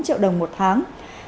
bốn triệu đồng một tháng